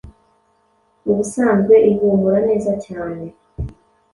ubusanzwe ihumura neza cyane